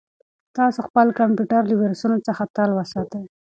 تاسو خپل کمپیوټر له ویروسونو څخه تل وساتئ.